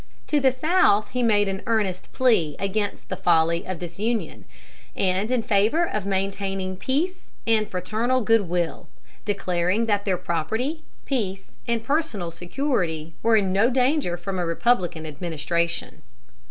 To the South he made an earnest plea against the folly of disunion, and in favor of maintaining peace and fraternal good will; declaring that their property, peace, and personal security were in no danger from a Republican administration.